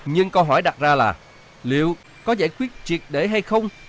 nhưng câu hỏi đặt ra là liệu có giải quyết triệt để hay không